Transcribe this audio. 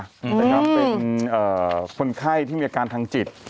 ที่จะทำเป็นคนไข้ที่มีอาการทางจิต